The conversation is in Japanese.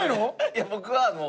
いや僕はもう。